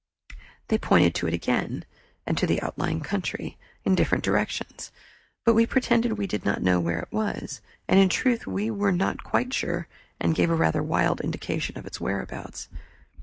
They pointed to it again, and to the outlying country, in different directions but we pretended we did not know where it was, and in truth we were not quite sure and gave a rather wild indication of its whereabouts.